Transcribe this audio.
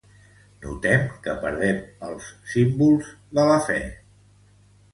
Notem que perdem els símbols de la fe.